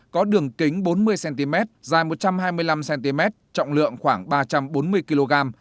có đường kính bốn mươi cm dài một trăm hai mươi năm cm trọng lượng khoảng ba trăm bốn mươi kg